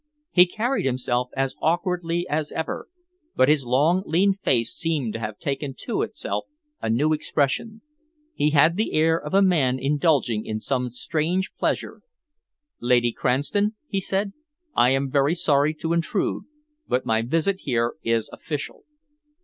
He carried himself as awkwardly as ever, but his long, lean face seemed to have taken to itself a new expression. He had the air of a man indulging in some strange pleasure. "Lady Cranston," he said, "I am very sorry to intrude, but my visit here is official."